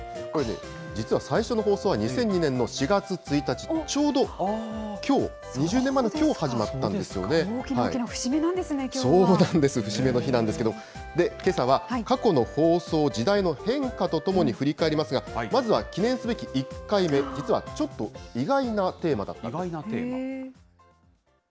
これね、実は最初の放送は２００２年の４月１日、ちょうどきょう、２０年前のきょう始まったんです大きな大きな節目なんですね、そうなんです、節目の日なんですけれども、けさは、過去の放送を時代の変化とともに振り返りますが、まずは記念すべき１回目、実はちょっと意外なテーマだった意外なテーマ。